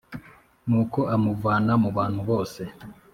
Nuko amuvana mu bantu bose